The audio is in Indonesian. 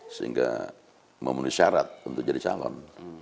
sehingga memenuhi syarat untuk jadi calon